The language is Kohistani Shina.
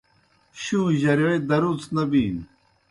شُوں جرِیوئے درُوڅ نہ بِینوْ